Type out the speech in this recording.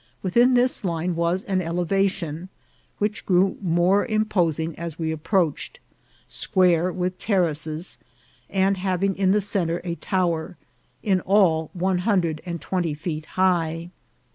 Within this line was an elevation, which grew more imposing as we approached, square, with terraces, and having in the centre a tower, in all one hundred and twenty feet high.